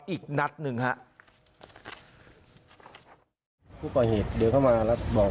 อีกนัดหนึ่งครับ